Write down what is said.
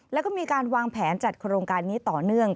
แล้วก็มีการวางแผนจัดโครงการนี้ต่อเนื่อง